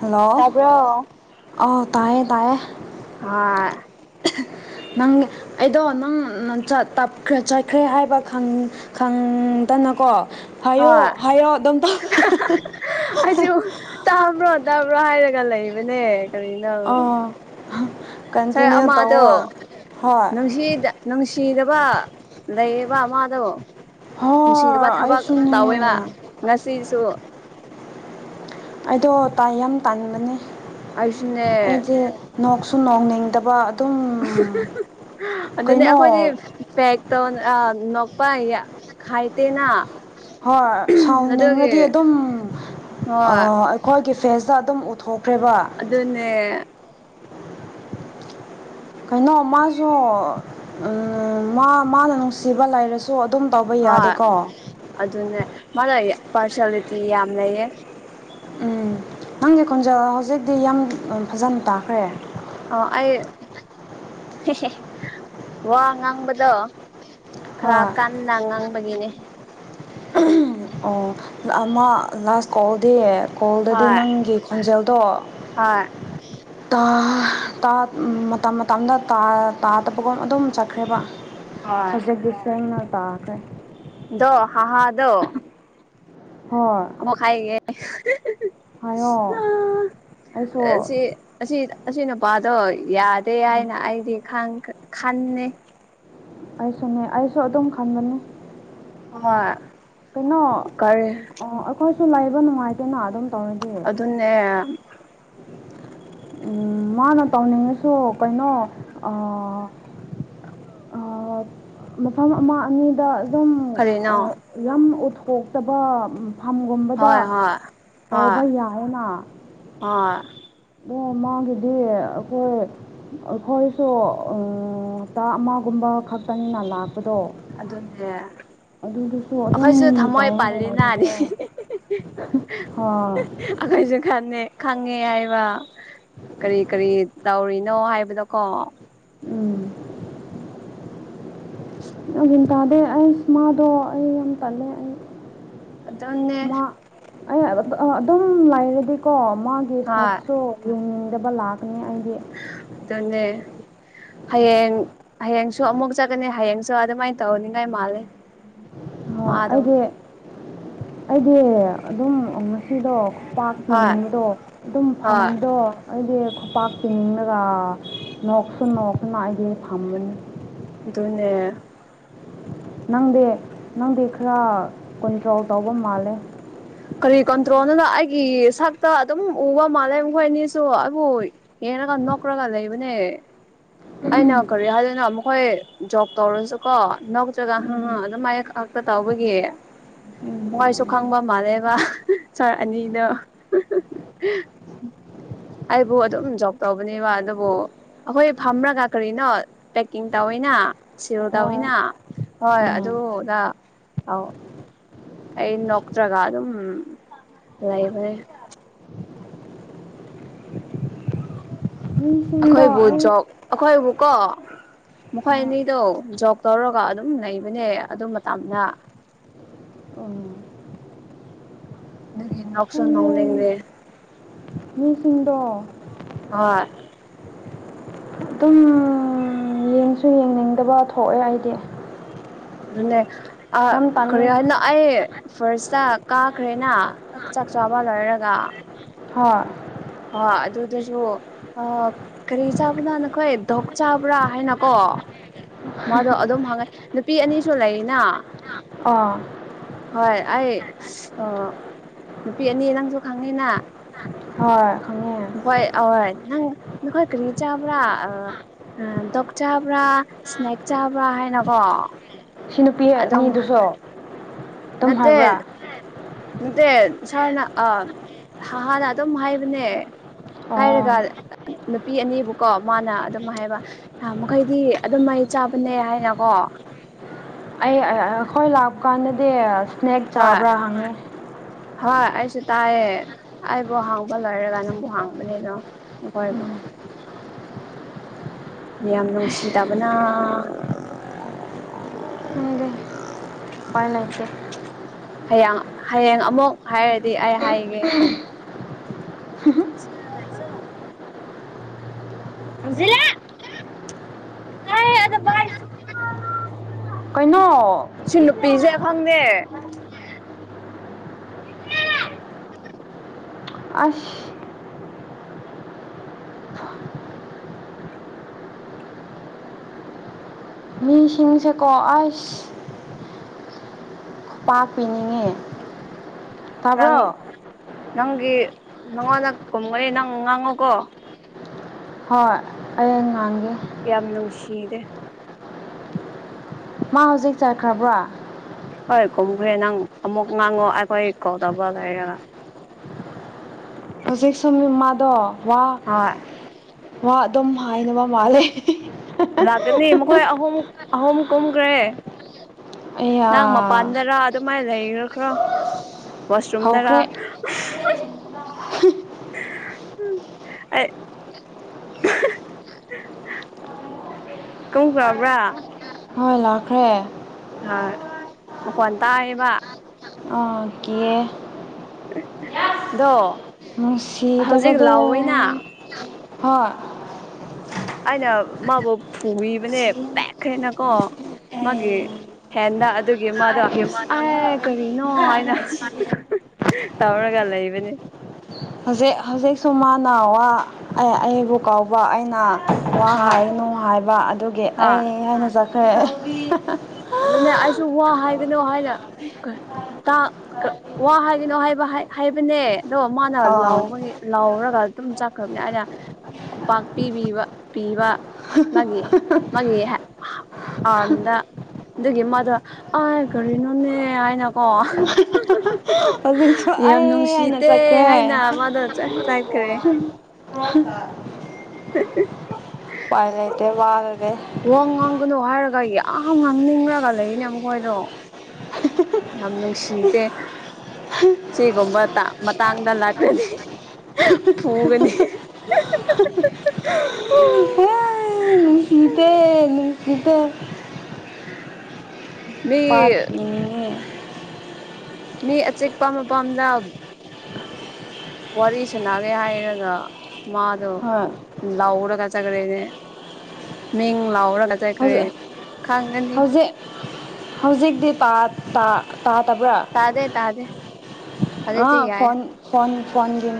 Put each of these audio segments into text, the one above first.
hello ꯇꯥꯕ꯭ꯔꯣ ꯑꯥꯎ ꯇꯥꯏꯌꯦ ꯇꯥꯏꯌꯦ ꯍꯥ [inaudible] ꯅꯪ ꯑꯩꯗꯣ ꯅꯪ ꯆꯠ ꯇ ꯆꯠꯈ꯭ꯔꯦ ꯍꯥꯏꯕ ꯈꯪ ꯈꯪꯗꯅꯀꯣ ꯍꯥꯏꯌꯣ ꯍꯣꯏ ꯍꯥꯏꯌꯣ ꯑꯗꯨꯝ ꯇꯧ [unintelligible] ꯑꯩꯁꯨ ꯇꯥꯕ꯭ꯔꯣ ꯗꯥꯕ꯭ꯔꯣ ꯍꯥꯏꯔꯒ ꯂꯩꯕꯅꯦ ꯑꯣ ꯁꯔ ꯀꯟꯇꯤꯅ꯭ꯌꯨ ꯑꯃꯗꯣ ꯇꯧꯋꯣ ꯍꯣꯏ ꯅꯨꯡꯁꯤꯗ ꯅꯨꯡꯁꯤꯗꯕ ꯂꯩꯌꯦꯕ ꯃꯥꯗꯣ ꯅꯨꯡꯁꯤꯗꯕ ꯍꯣꯏ ꯊꯕꯛ ꯑꯩꯁꯨꯅꯦ ꯇꯧꯋꯦꯕ ꯉꯁꯤꯁꯨ ꯑꯩꯗꯣ ꯇꯥꯏ ꯌꯥꯝ ꯇꯥꯟꯕꯅꯦ ꯑꯩꯁꯨꯅꯦ ꯑꯩꯗꯤ ꯅꯣꯛꯁꯨ ꯅꯣꯡꯅꯤꯡꯗꯕ [unintelligible] ꯑꯗꯨꯅꯦ ꯀꯩꯅꯣ ꯑꯩꯈꯣꯏꯗꯤ ꯐꯦꯛ ꯇꯧ ꯑ ꯅꫭꯛꯄꯥ ꯍꯩꯇꯦꯅ ꯍꯣꯏ ꯁꯥꯎꯅꯤꯡꯔꯗꯤ ꯑꯗꯨꯝ ꯍꯣꯏ ꯑ ꯈꯣꯏꯒꯤ ꯐꯦꯁꯇ ꯑꯗꯨꯝ ꯎꯠꯊꯣꯛꯈ꯭ꯔꯦꯕ ꯑꯗꯨꯅꯦ ꯀꯩꯅꯣ ꯃꯥꯁꯨ ꯎꯝ ꯃꯥ ꯃꯥꯅ ꯅꯨꯡꯁꯤꯕ ꯂꯩꯥꯔꯁꯨ ꯁꯣ ꯑꯗꯨꯝ ꯇꯧꯕ ꯍꯣꯏ ꯌꯥꯗꯦꯀꯣ ꯑꯗꯨꯅꯦ ꯃꯥꯅ ꯄꯥꯔꯁꯦꯂꯤꯇꯤ ꯌꯥꯝ ꯂꯩꯌꯦ ꯎꯝ ꯅꯪꯒꯤ ꯈꯣꯟꯖꯦꯜ ꯍꯧꯖꯤꯛꯇꯤ ꯌꯥꯝ ꯐꯖꯅ ꯇꯥꯈ꯭ꯔꯦ ꯑꯣ ꯑꯩ [unintelligible] ꯋꯥ ꯉꯥꯡꯕꯗꯣ ꯈꯔ ꯍꯣꯏ ꯀꯟꯅ ꯉꯥꯡꯕꯒꯤꯅꯦ [unintelligible] ꯑꯣ ꯑꯃ ꯂꯥꯁ ꯀꯣꯜꯗꯤ ꯀꯣꯜꯗꯗꯤ ꯍꯣꯏ ꯅꯪꯒꯤ ꯈꯣꯟꯖꯦꯜꯗꯣ ꯍꯣꯏ ꯇꯥ ꯇꯥꯠ ꯃꯇꯝ ꯃꯇꯝꯗ ꯇꯥ ꯇꯥꯗꯕꯒꯨꯝ ꯑꯗꯨꯝ ꯆꯠꯈ꯭ꯔꯦꯕ ꯍꯣꯏ ꯑꯣꯐꯖꯦꯛꯇꯤꯚ ꯁꯦꯝꯔꯒ ꯀꯩ ꯑꯗꯣ ꯍꯥꯍꯥꯗꯣ ꯍꯣꯏ ꯃ ꯈꯥꯏꯒꯦ ꯍꯥꯏꯌꯣ ꯑꯩꯁꯨ ꯁꯤ ꯑꯁꯤ ꯑꯁꯤ ꯅꯨꯄꯥꯗꯣ ꯌꯥꯗꯦ ꯍꯥꯏꯅ ꯑꯩꯗꯤ ꯈꯟꯅꯦ ꯑꯩꯁꯨꯅꯦ ꯑꯩꯁꯨ ꯑꯗꯨꯝ ꯈꯟꯕꯅꯤ ꯍꯣꯏ ꯀꯩꯅꯣ ꯀꯔꯤ ꯑꯣ ꯑꯩꯈꯣꯏꯁꯨ ꯂꯩꯕ ꯅꯨꯡꯉꯥꯏꯇꯦꯅ ꯑꯗꯨꯝ ꯇꯧꯔꯗꯤ ꯑꯗꯨꯅꯦ ꯎꯝ ꯃꯥꯅ ꯇꯧꯅꯤꯡꯉꯁꯨ ꯀꯩꯅꯣ ꯑꯥ ꯑꯧ ꯃꯐꯝ ꯑꯃ ꯑꯅꯤꯗ ꯀꯔꯤꯅꯣ ꯂꯝ ꯎꯠꯊꯣꯛꯇꯕ ꯐꯝꯒꯨꯝꯕꯗ ꯍꯣꯏ ꯍꯣꯏ ꯍꯣꯏ ꯇꯧꯕ ꯌꯥꯏꯌꯦꯅ ꯍꯣꯏ ꯎꯝ ꯃꯥꯒꯤꯗꯤ ꯑꯩꯈꯣꯏ ꯑꯩꯈꯣꯏꯁꯨ ꯑꯪ ꯍꯞꯇꯥ ꯑꯃꯒꯨꯝꯕ ꯈꯛꯇꯪꯅꯤꯅ ꯂꯥꯛꯄꯗꯣ ꯑꯗꯨꯅꯦ ꯑꯗꯨꯗꯤꯀꯣ ꯑꯗꯨꯝ ꯑꯩꯈꯣꯏꯁꯨ ꯊꯃꯣꯏ ꯇꯥꯎꯔꯒ ꯄꯥꯜꯂꯤꯅꯥꯅꯤ ꯂꯩꯕꯗꯣ ꯍꯣꯏ ꯑꯈꯣꯏꯁꯨ ꯈꯟꯅꯦ ꯈꯪꯉꯦ ꯍꯥꯏꯕ ꯀꯔꯤ ꯀꯔꯤ ꯇꯧꯔꯤꯅꯣ ꯍꯥꯏꯕꯗꯣꯀꯣ ꯎꯝ ꯒ꯭ꯌꯥꯟ ꯇꯥꯗꯦ ꯑꯩꯁ ꯃꯥꯗꯣ ꯑꯩ ꯌꯥꯝ ꯇꯜꯂꯦ ꯑꯩ ꯑꯗꯨꯅꯦ ꯃꯥ ꯑꯩ ꯍꯥꯏꯕ ꯑ ꯑꯗꯨꯝ ꯂꯩꯔꯗꯤꯀꯣ ꯃꯥꯒꯤ ꯍꯣꯏ ꯁꯛꯁꯨ ꯌꯦꯡꯅꯤꯡꯗꯕ ꯂꯥꯛꯀꯅꯤ ꯑꯩꯗꯤ ꯑꯗꯨꯅꯦ ꯍꯌꯦꯡ ꯍꯌꯦꯡꯁꯨ ꯑꯃꯨꯛ ꯆꯠꯀꯅꯤ ꯍꯌꯦꯡꯁꯨ ꯑꯗꯨꯃꯥꯏꯅ ꯇꯧꯅꯤꯡꯉꯥꯏ ꯃꯥꯜꯂꯦ ꯍꯣꯏ ꯃꯥꯗꯣ ꯑꯩꯗꯤ ꯑꯩꯗꯤ ꯑꯗꯨꯝ ꯉꯁꯤꯗꯣ ꯍꯣꯏ ꯄꯥꯛꯄꯤꯅꯤꯡꯕꯗꯣ ꯑꯗꯨꯝ ꯍꯣꯏ ꯐꯝꯕꯗꯣ ꯑꯩꯗꯤ ꯈꯨꯄꯥꯛ ꯄꯤꯅꯤꯡꯂꯒ ꯅꯣꯛꯁꯨ ꯅꯣꯛꯇꯅ ꯑꯩꯗꯤ ꯊꯝꯃꯅꯤ ꯑꯗꯨꯅꯦ ꯅꯪꯗꯤ ꯅꯪꯗꯤ ꯈꯔ ꯀꯨꯟꯇ꯭ꯔꯣꯜ ꯇꯧꯕ ꯃꯥꯜꯂꯦ ꯀꯔꯤ ꯀꯟꯇ꯭ꯔꯣꯜꯗꯅꯣ ꯑꯩꯒꯤ ꯁꯛꯇꯣ ꯑꯗꯨꯝ ꯎꯕ ꯃꯥꯜꯂꯦ ꯃꯈꯣꯏ ꯑꯅꯤꯁꯨ ꯑꯩꯕꯨ ꯌꯦꯡꯔꯒ ꯅꯣꯛꯀ꯭ꯔꯒ ꯂꯩꯕꯅꯦ ꯑꯩꯅ ꯀꯔꯤ ꯍꯥꯏꯗꯣꯏꯅꯣ ꯃꯈꯣꯏ ꯖꯣꯛ ꯇꯧꯔꯁꯨꯀꯣ ꯅꯣꯛꯆꯒ ꯍꯪ ꯍꯪ ꯎꯝ ꯑꯗꯨꯝ ꯍꯥꯏ ꯇꯧꯕꯒꯤ ꯎꯝ ꯃꯣꯏ ꯁꯨ ꯈꯪꯕ ꯃꯥꯜꯂꯦꯕ ꯁꯥꯔ ꯑꯅꯤꯗꯣ ꯑꯩꯕꯨ ꯑꯗꯨꯝ ꯖꯣꯛ ꯇꯧꯕꯅꯦꯕ ꯑꯗꯨꯕꯨ ꯑꯈꯣꯏ ꯊꯝꯕ꯭ꯔꯒ ꯀꯔꯤꯅꯣ ꯄꯦꯛꯀꯤꯡ ꯇꯧꯋꯤꯅ ꯁꯤꯜ ꯍꯣꯏ ꯇꯧꯋꯤꯅ ꯍꯣꯏ ꯑꯥ ꯑꯗꯨꯗ ꯑꯧ ꯑꯩ ꯅꯣꯛꯇ꯭ꯔꯒ ꯑꯗꯨꯝ ꯂꯩꯕꯅꯦ ꯃꯤꯁꯤꯡꯗꯣ ꯑꯩꯈꯣꯏꯕꯨ ꯑꯩ ꯖꯣꯛ ꯑꯩꯈꯣꯏꯕꯨ ꯀꯣ ꯃꯈꯣꯏ ꯍꯣꯏ ꯑꯅꯤꯗꯣ ꯖꯣꯛ ꯇꯧꯔꯒ ꯑꯗꯨꯝ ꯂꯩꯕꯥꯅꯦ ꯑꯗꯨ ꯃꯇꯝꯗ ꯑꯣ ꯑꯗꯨꯒꯤ ꯅꯣꯛꯁꯨ ꯈꯪꯗꯦ ꯅꯣꯛꯅꯤꯡꯂꯦ ꯃꯤꯁꯤꯡꯗꯣ ꯍꯣꯏ ꯑꯗꯨꯝ ꯌꯦꯡꯁꯨ ꯌꯦꯡꯅꯤꯡꯗꯕ ꯊꯣꯛꯑꯦ ꯑꯩꯗꯤ ꯑꯗꯨꯅꯦ ꯑ ꯌꯥꯝ ꯇꯜꯂꯦ ꯀꯔꯤ ꯍꯥꯏꯅ ꯑꯩ ꯐꯥꯔꯁꯇ ꯀꯥꯈ꯭ꯔꯦꯅ ꯆꯥꯛ ꯆꯥꯕ ꯂꯣꯏꯔꯒ ꯍꯣꯏ ꯍꯣꯏ ꯑꯗꯨꯗꯁꯨ ꯑ ꯀꯔꯤ ꯆꯥꯕꯅꯣ ꯅꯈꯣꯏ ꯗꯣꯛ ꯆꯥꯕ꯭ꯔꯥ ꯍꯥꯏꯅꯀꯣ ꯃꯥꯗꯣ ꯑꯗꯨꯝ ꯍꯪꯉꯦ ꯅꯨꯄꯤ ꯑꯅꯤꯁꯨ ꯂꯩꯔꯤꯅ ꯑꯥ ꯍꯣꯏ ꯑꯩ ꯅꯨꯄꯤ ꯑꯅꯤ ꯅꯪꯁꯨ ꯈꯪꯉꯤꯅ ꯍꯣꯏ ꯈꯪꯉꯦ ꯍꯣꯏ ꯑꯣꯏ ꯅꯪ ꯅꯈꯣꯏ ꯀꯔꯤ ꯆꯥꯕ꯭ꯔꯥ ꯑ ꯗꯣꯛ ꯆꯥꯕ꯭ꯔꯥ ꯁ꯭ꯅꯦꯛ ꯆꯥꯕ꯭ꯔꯥ ꯍꯥꯏꯅꯀꯣ ꯁꯤ ꯑꯗꯨꯝ ꯅꯨꯄꯤꯅꯤꯗꯨꯁꯨ ꯅꯠꯇꯦ ꯅꯠꯇꯦ ꯁꯥꯔꯅ ꯍꯥꯟꯅ ꯑꯗꯨꯝ ꯍꯥꯏꯕꯅꯦ ꯑꯣ ꯍꯥꯏꯔꯒ ꯅꯨꯄꯤ ꯑꯅꯤꯕꯨꯀꯣ ꯃꯥꯅ ꯑꯗꯨꯝ ꯍꯥꯏꯕ ꯥ ꯃꯈꯩꯗꯤ ꯑꯗꯨꯝ ꯃꯍꯩ ꯆꯥꯕꯅꯦ ꯍꯥꯏꯅꯀꯣ ꯑꯩ ꯍꯈꯣꯏ ꯂꯥꯛꯄ ꯀꯥꯟꯗꯗꯤ ꯁ꯭ꯅꯦꯛ ꯍꯣꯏ ꯆꯥꯕ꯭ꯔꯥ ꯍꯪꯉꯤ ꯍꯣꯏ ꯑꯩꯁꯨ ꯇꯥꯏꯌꯦ ꯑꯩꯕꯨ ꯍꯥꯡꯕ ꯂꯣꯏꯔꯒ ꯅꯪꯕꯨ ꯍꯥꯡꯕꯅꯦꯅꯣ ꯀꯣꯏꯔꯤꯕ ꯎꯝ ꯌꯥꯝ ꯅꯨꯡꯁꯤꯗꯕꯅ ꯄꯥꯏ ꯂꯩꯇꯦ ꯍꯌꯥꯡ ꯍꯌꯦꯡ ꯑꯃꯨꯛ ꯍꯥꯏꯔꯗꯤ ꯑꯩ ꯍꯥꯏꯒꯦ [inaudible] ꯁꯤꯂ ꯑꯗꯨ ꯀꯩꯅꯣ ꯁꯤ ꯅꯨꯄꯤꯁꯨꯦ ꯈꯪꯅꯦꯦ ꯑꯁ ꯃꯤꯁꯤꯡꯁꯦꯀꯣ ꯑꯁ ꯄꯥꯛꯄꯤꯤꯅꯤꯡꯉꯤ ꯅꯪ ꯅꯪꯒꯤ ꯅꯪꯉꯣꯟꯗ ꯀꯨꯝꯒꯅꯤ ꯅꯪ ꯉꯥꯡꯉꯨꯀꯣ ꯍꯣꯏ ꯑꯩ ꯉꯥꯡꯒꯦ ꯌꯥꯝ ꯅꯨꯡꯁꯤꯔꯦ ꯃꯥ ꯍꯧꯖꯤꯛ ꯆꯠꯈ꯭ꯔꯕ꯭ꯔꯣ ꯍꯣꯏ ꯀꯨꯝꯈ꯭ꯔꯦ ꯅꯪ ꯑꯃꯨꯛ ꯉꯥꯡꯉꯣ ꯑꯩꯈꯣꯏ ꯀꯧꯗꯕ ꯂꯩꯔꯒ ꯍꯧꯖꯤꯛ ꯁꯨꯝꯃꯥꯗꯣ ꯋꯥ ꯍꯣꯏ ꯃꯥ ꯑꯗꯨꯝ ꯍꯥꯏꯅꯕ ꯃꯥꯜꯂꯦ ꯂꯥꯛꯀꯅꯤ ꯃꯈꯣꯏ ꯑꯍꯨꯝ ꯑꯍꯨꯝ ꯀꯨꯝꯈ꯭ꯔꯦ ꯑꯩꯌꯥ ꯅꯪ ꯃꯄꯥꯟꯗꯔ ꯑꯗꯨꯃꯥꯏꯅ ꯂꯩꯈꯈ꯭ꯔꯣ ꯋꯥꯁꯔꯨꯝꯗꯔ ꯍꯧꯈ꯭ꯔꯦ ꯎꯝ ꯑꯩ ꯀꯧꯈꯕ꯭ꯔꯥ ꯍꯣꯏ ꯂꯥꯛꯈ꯭ꯔꯦ ꯑ ꯃꯈꯣꯟ ꯇꯥꯏꯌꯦꯕ ꯑꯀꯦ ꯗꯣ ꯃꯅꯨꯡꯁꯤꯗꯕꯥꯗꯣ ꯍ ꯑꯩꯅ ꯃꯥꯕꯨ ꯐꯨꯕꯅꯦ ꯄꯦꯛꯈꯦꯅꯀꯣ ꯃꯥꯒꯤ ꯍꯦꯟꯗ ꯑꯗꯨꯒꯤ ꯃꯥꯗꯣ ꯍꯧꯖꯤꯛ ꯑꯦ ꯀꯔꯤꯅꯣ ꯍꯥꯏꯅ ꯇꯥꯔꯒ ꯂ ꯂꯩꯕꯅꯤ ꯍꯧꯖꯤꯛ ꯍꯧꯖꯤꯛꯁꯨ ꯃꯥꯅꯋꯥ ꯑꯩꯕꯨ ꯀꯧꯕꯥꯎꯕ ꯑꯩꯅ ꯋꯥ ꯍꯣꯏ ꯍꯥꯏꯅꯨ ꯍꯥꯏꯕ ꯑꯗꯨꯒꯤ ꯑꯩ ꯍꯣꯏ ꯍꯥꯏꯅ ꯆꯠꯈ꯭ꯔꯦ ꯑꯗꯨꯅꯦ ꯑꯩꯁꯨ ꯋꯥ ꯍꯥꯏꯒꯅꯣ ꯍꯥꯏꯅ ꯋꯥ ꯍꯥꯏꯒꯅꯣ ꯍꯥꯏꯕ ꯍꯥꯏꯕꯅꯦ ꯑꯗꯣ ꯃꯥꯅ ꯑꯥ ꯂꯥꯎꯕꯒꯤ ꯂꯥꯎꯔꯒ ꯑꯗꯨꯝ ꯆꯠꯈ꯭ꯔꯕꯅꯤ ꯑꯩꯅ ꯈꯨꯄꯥꯛ ꯄꯤꯕꯤꯕ ꯄꯤꯕ ꯃꯥꯒꯤ ꯃꯥꯒꯤ ꯑꯥꯔꯝꯗ ꯑꯗꯨꯒꯤ ꯃꯥꯗꯣ ꯑ ꯀꯔꯤꯅꯣꯅꯦ ꯍꯥꯏꯅꯀꯣ ꯍꯧꯖꯤꯛꯁꯨ ꯌꯥꯝ ꯑꯩ ꯑꯅ ꯅꯨꯡꯁꯤꯗꯦ ꯆꯠꯈ꯭ꯔꯦ ꯍꯥꯏꯅ ꯃꯥꯗꯣ ꯎ ꯆꯠꯈ꯭ꯔꯦ ꯍ ꯄꯥꯏ ꯂꯩꯇ ꯃꯥꯜꯦ ꯋꯥꯡ ꯉꯥꯡꯒꯅꯨ ꯍꯥꯏꯔꯒ ꯌꯥꯝ ꯉꯥꯡꯅꯤꯡꯉꯒ ꯂꯩꯔꯤꯅꯦ ꯃꯈꯣꯏꯗꯣ ꯌꯥꯝ ꯅꯨꯡꯁꯤꯗꯦ ꯁꯤꯒꯨꯝꯕ ꯃꯇꯥꯡꯗ ꯂꯥꯛꯀꯅꯤ ꯐꯨꯒꯅꯤ ꯍꯣꯏ ꯁꯤꯗꯅꯤꯁꯤꯗ ꯎ ꯄꯥꯅꯤ ꯃꯤ ꯑꯆꯤꯛꯄ ꯃꯐꯝꯗ ꯋꯥꯔꯤ ꯁꯅꯒꯦ ꯍꯥꯏꯔꯒ ꯃꯥ ꯑꯗꯣ ꯍꯣꯏ ꯂꯥꯎꯔꯒ ꯆꯠꯈ꯭ꯔꯦꯅꯦ ꯃꯤꯡ ꯂꯥꯎꯔꯒ ꯆꯠꯈ꯭ꯔꯦ ꯍꯧꯖꯤꯛ ꯈꯪꯒꯅꯤ ꯍꯧꯖꯤꯛ ꯍꯧꯖꯤꯛꯇꯤ ꯇꯥꯗꯕ꯭ꯔꯥ ꯇꯥꯗꯦ ꯇꯥꯖꯦ ꯐꯣꯟ ꯐꯣꯟꯣꯟ ꯐꯣꯟꯒꯦ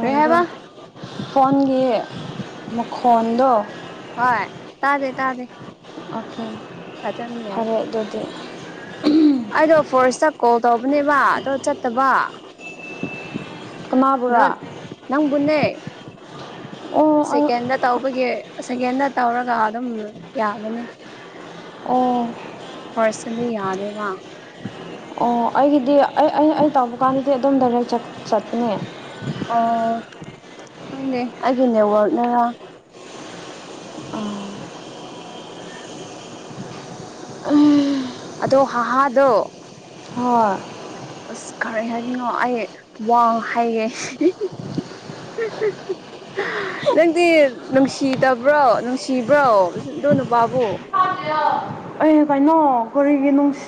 ꯀꯔꯤ ꯍꯥꯏꯕ ꯐꯣꯟꯒꯤ ꯃꯈꯣꯟꯗꯣ ꯍꯣꯏ ꯇꯥꯗꯦ ꯇꯥꯗꯦ ꯑꯀ ꯐꯖꯅ ꯌꯥꯏ ꯐꯔꯦ ꯑꯗꯨꯗꯤ ꯑꯩꯗꯣ ꯐꯥꯔꯁꯇ ꯀꯣꯜ ꯇꯧꯕꯅꯦꯕ ꯑꯗꯣ ꯆꯠꯇꯕ ꯅꯣ ꯀꯅꯥꯕꯨꯔꯥ ꯅꯪꯕꯨꯅꯦ ꯑꯣ ꯑꯩ ꯁꯦꯀꯦꯟꯗ ꯇꯧꯕꯒꯤ ꯁꯦꯀꯦꯟꯗ ꯇꯧꯔꯒ ꯑꯗꯨꯝ ꯌꯥꯕꯅꯤ ꯑꯣ ꯐꯔꯁꯟꯗꯤ ꯌꯥꯗꯦꯕ ꯑꯣ ꯑꯩꯒꯤꯗꯤ ꯑꯩ ꯑꯩ ꯑꯩ ꯇꯧꯕ ꯀꯥꯟꯗꯗꯤ ꯑꯗꯨꯝ ꯗꯥꯏꯔꯦꯛ ꯆꯠꯄꯅꯦ ꯑꯣ ꯈꯪꯗꯦ ꯑꯩꯒꯤ ꯅꯦꯠꯋꯔꯛꯅꯔ ꯎ ꯑꯗꯣ ꯍꯥꯍꯥꯗꯣ ꯍꯣꯏ ꯑꯁ ꯈꯔ ꯍꯥꯏꯗꯅꯣ ꯑꯩ ꯋꯥꯡ ꯍꯥꯏꯒꯦ [inaudible] ꯅꯪꯗꯤ ꯅꯨꯡꯁꯤꯗꯕ꯭ꯔꯣ ꯅꯨꯡꯁꯤꯕ꯭ꯔꯣ ꯑꯗꯣ ꯅꯨꯄꯥꯕꯨ [inaudible] ꯑꯦ ꯀꯩꯅꯣ ꯀꯔꯤꯒꯤ ꯅꯨꯡꯁꯤ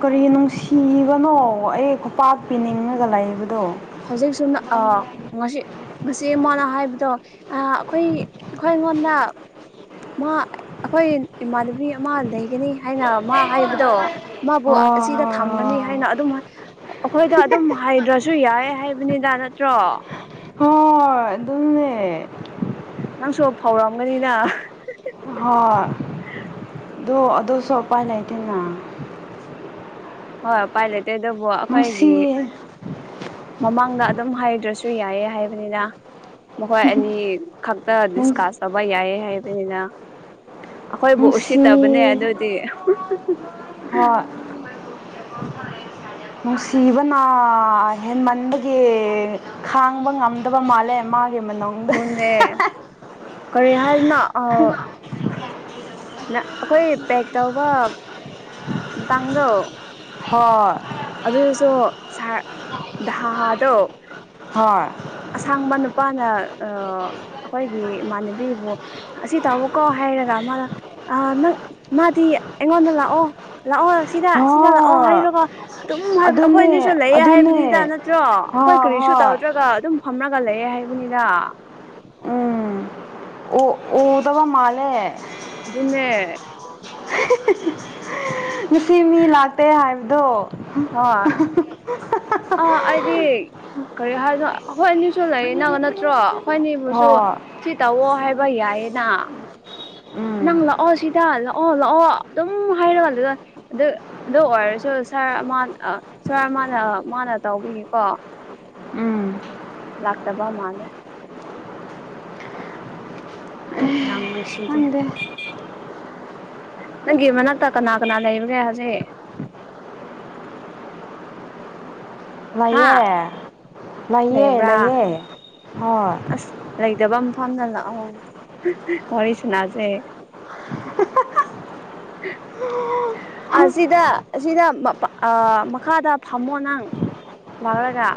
ꯀꯔꯤ ꯅꯨꯡꯁꯤꯕꯅꯣ ꯑꯩ ꯈꯨꯄꯥꯛ ꯄꯤꯅꯤꯡꯉꯒ ꯂꯩꯕꯗꯣ ꯍꯧꯖꯤꯛꯁꯨ ꯑ ꯉꯁꯤ ꯉꯁꯤ ꯑꯩꯉꯣꯟꯅ ꯍꯥꯏꯕꯗꯣ ꯑꯩꯈꯣꯏ ꯑꯩꯈꯣꯏ ꯑꯩꯉꯣꯟꯗ ꯃꯥ ꯑꯩꯈꯣꯏ ꯏꯃꯥꯟꯅꯕꯤ ꯑꯃ ꯂꯩꯒꯅꯤ ꯍꯥꯏꯅ ꯃꯥ ꯍꯥꯏꯕꯗꯣ ꯃꯥꯕꯨ ꯍꯣꯏ ꯍꯣꯏ ꯑꯁꯤꯗ ꯊꯝꯒꯅꯤ ꯍꯣꯏ ꯍꯥꯏꯅ ꯑꯗꯨꯝ ꯑꯩꯈꯣꯏꯗ ꯑꯗꯨꯝ ꯍꯥꯏꯩꯗ꯭ꯔꯁꯨ ꯌꯥꯏ ꯍꯥꯏꯕꯅꯤꯗ ꯅꯠꯇ꯭ꯔꯣ ꯍꯣꯏ ꯑꯗꯨꯅꯦ ꯅꯪꯁꯨ ꯐꯥꯎꯔꯛꯑꯝꯒꯅꯤꯅ ꯍꯣꯏ ꯑꯗꯣ ꯑꯗꯨꯁꯨ ꯎꯄꯥꯏ ꯂꯩꯇꯦꯅ ꯍꯣꯏ ꯎꯄꯥꯏ ꯂꯩꯇꯦ ꯑꯗꯨꯕꯨ ꯅꯨꯡꯁꯤ ꯑꯩꯈꯣꯏꯒꯤ ꯃꯃꯥꯡꯗ ꯑꯗꯨꯝ ꯍꯥꯏꯗ꯭ꯔꯁꯨ ꯌꯥꯏꯌꯦ ꯍꯥꯏꯕꯅꯤꯅ ꯃꯈꯣꯏ ꯑꯅꯤ ꯈꯛꯇ ꯗꯤꯁꯀꯥꯁ ꯇꯕ ꯌꯥꯏꯌꯦ ꯍꯥꯏꯕꯅꯤꯅ ꯑꯩꯈꯣꯏꯕꯨ ꯅꯨꯡꯁꯤ ꯎꯁꯤꯠꯇꯕꯅꯦ ꯑꯗꯨꯗꯤ ꯍꯣꯏ ꯅꯨꯡꯁꯤꯕꯅ ꯍꯦꯟꯃꯟꯕꯒꯤ ꯈꯥꯡꯕ ꯉꯝ ꯑ ꯃꯥꯂꯦ ꯃꯥꯒꯤ ꯃꯅꯣ ꯑꯗꯨꯅꯦ ꯀꯔꯤ ꯍꯥꯏꯗꯅ ꯑ ꯑꯩꯈꯣꯏ ꯄꯦꯛ ꯇꯧꯕ ꯃꯇꯥꯡꯗꯣ ꯍꯣꯏ ꯑꯗꯨꯗꯁꯨ ꯁꯥ ꯗꯣ ꯍꯣꯏ ꯑꯁꯥꯡꯕ ꯅꯨꯄꯥꯅ ꯑꯩꯈꯣꯏꯒꯤ ꯏꯃꯥꯟꯅꯕꯤꯕꯨ ꯑꯁꯤ ꯇꯥꯃꯣꯀꯣ ꯍꯥꯏꯔꯒ ꯑꯃꯗ ꯑ ꯅꯪ ꯃꯥꯗꯤ ꯑꯩꯉꯣꯟꯗ ꯂꯥꯛꯑꯣ ꯂꯥꯛꯑꯣ ꯁꯤꯗ ꯁꯤꯗ ꯂꯥꯛꯑꯣ ꯍꯣꯏ ꯍꯥꯏꯔꯣꯒꯣ ꯑꯗꯨꯝ ꯍꯥꯏꯕ ꯑꯩꯈꯣꯏ ꯑꯗꯨꯅꯦ ꯑꯅꯤꯁꯨ ꯂꯩꯌꯦ ꯑꯗꯨꯅꯦ ꯍꯥꯏꯕꯅꯤꯗ ꯅꯠꯇ꯭ꯔꯣ ꯑꯩꯈꯣꯏ ꯍꯣꯏ ꯀꯔꯤꯁꯨ ꯍꯣꯏ ꯇꯧꯗ꯭ꯔꯒ ꯑꯗꯨꯝ ꯐꯝꯅꯒ ꯂꯩꯑꯦ ꯍꯥꯏꯕꯅꯤꯗ ꯎꯝ ꯎ ꯎꯗꯕ ꯃꯥꯂꯦ ꯑꯗꯨꯅꯦ ꯉꯁꯤ ꯃꯤ ꯂꯥꯛꯇꯦ ꯍꯥꯏꯕꯗꯣ ꯑ ꯑꯩꯗꯤ ꯀꯔꯤ ꯍꯥꯏꯅꯣ ꯑꯩꯈꯣꯏ ꯑꯅꯤꯁꯨ ꯂꯩꯔꯤꯅꯒ ꯅꯠꯇ꯭ꯔꯣ ꯑꯩꯈꯣꯏ ꯑꯅꯤꯕꯨꯁꯨ ꯍꯣꯏ ꯁꯤ ꯇꯧꯑꯣ ꯍꯥꯏꯕ ꯌꯥꯏꯌꯦꯅ ꯅꯪ ꯎꯝ ꯂꯥꯛꯑꯣ ꯁꯤꯗ ꯂꯥꯛꯑꯣ ꯑꯣ ꯂꯥꯛꯑꯣ ꯑꯗꯨꯝ ꯍꯥꯏꯔꯀꯥꯟ ꯑꯗꯨꯗ ꯑꯗꯨ ꯑꯗꯨ ꯑꯣꯏꯔꯁꯨ ꯁꯥꯔ ꯁꯥꯔ ꯃꯥꯅ ꯃꯥꯅ ꯇꯧꯕꯤꯒꯀꯣ ꯎꯝ ꯂꯥꯛꯇꯕ ꯃꯥꯅꯦ ꯌꯥꯝ ꯅꯨꯡꯁꯤꯖꯦ ꯈꯪꯗꯦ ꯅꯪꯒꯤ ꯃꯅꯥꯛꯇ ꯀꯅꯥ ꯀꯅꯥ ꯂꯩꯕꯒꯦ ꯍꯧꯖꯤꯛ ꯍꯥ ꯂꯩꯑꯦ ꯂꯩꯑ ꯂꯩꯕ꯭ꯔꯥ ꯂꯩꯌꯦꯦ ꯍꯣꯏ ꯑꯁ ꯂꯩꯇꯕ ꯃꯐꯝꯗ ꯂꯥꯛꯑꯣ ꯋꯥꯔꯤ ꯁꯥꯅꯥꯁꯦ ꯑꯣ [unintelligible] ꯁꯤꯗ ꯑꯁꯤꯗ ꯃꯈꯥꯗ ꯐꯝꯃꯣ ꯅꯪ ꯂꯕꯂꯒ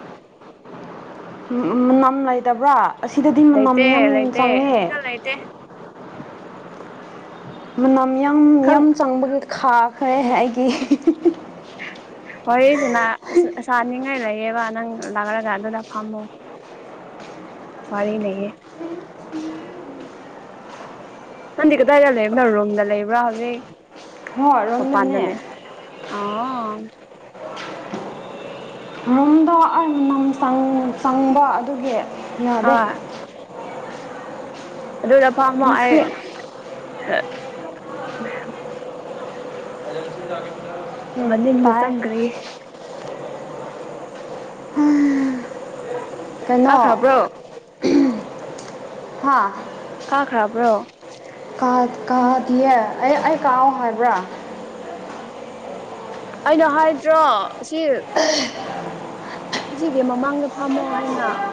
ꯃꯅꯝ ꯂꯩꯇꯕ꯭ꯔꯥ ꯑꯁꯤꯗꯗꯤ ꯃꯅꯝ ꯂꯩꯇꯦ ꯌꯥꯝ ꯂꯩꯇꯦ ꯆꯪꯉꯦ ꯁꯤꯗ ꯂꯩꯇꯦ ꯃꯅꯝ ꯌ ꯈꯪ ꯌꯨꯝ ꯆꯪꯕꯗ ꯈꯥꯈ꯭ꯔꯦ ꯑꯩꯒꯤ ꯍꯁꯤꯅ ꯆꯥꯅꯤꯡꯉꯥꯏ ꯂꯩꯌꯦꯕ ꯅꯪ ꯂꯥꯛꯂꯒ ꯑꯗꯨꯗ ꯐꯝꯃꯨ ꯋꯥꯔꯤ ꯂꯩꯑꯦ ꯅꯪꯗꯤ ꯀꯗꯥꯏꯗ ꯂꯩꯕꯅꯣ ꯔꯣꯝꯗ ꯂꯩꯕ꯭ꯔꯥ ꯍꯧꯖꯤꯛ ꯍꯣꯏ ꯃꯄꯥꯟꯗ ꯔꯣꯝꯗꯅꯦ ꯂꯩ ꯑ ꯃꯔꯝꯗꯣ ꯑꯩ ꯃꯅꯝ ꯆꯪꯕ ꯑꯗꯨꯒꯤ ꯌꯥꯗꯦ ꯍꯣꯏ ꯑꯗꯨꯗ ꯐꯝꯃꯣ ꯑꯩ ꯉꯁꯤ [inaudible] ꯃꯅꯤꯡꯗ ꯇꯥꯏ ꯆꯪꯒꯔꯤ ꯍꯦ ꯀꯩꯅꯣ ꯀꯥꯈ꯭ꯔꯕ꯭ꯔꯣ [unintelligible] ꯍꯥꯥ ꯀꯥꯈ꯭ꯔꯕ꯭ꯔꯣ ꯀꯥꯠ ꯀꯥꯗꯤꯌꯦ ꯑꯩ ꯑꯩ ꯀꯥꯑꯣ ꯍꯥꯏꯕ꯭ꯔꯥ ꯑꯩꯅ ꯍꯥꯏꯗ꯭ꯔꯣ ꯑꯁꯤ ꯑꯁꯤꯒꯤ ꯃꯃꯥꯡꯗ ꯐꯝꯃꯣ ꯅꯩꯅ